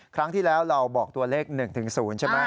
ครั้งที่แล้วเราบอกตัวเลข๑๐ใช่ไหม